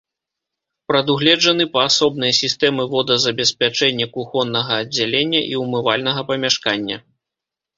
Прадугледжаны паасобныя сістэмы водазабеспячэння кухоннага аддзялення і умывальнага памяшкання.